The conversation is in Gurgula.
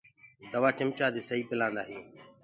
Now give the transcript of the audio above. دوآ چمچآ دي سئي پلآندآ هينٚ۔